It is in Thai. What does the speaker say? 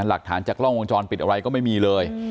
หลักฐานจากกล้องวงจรปิดอะไรก็ไม่มีเลย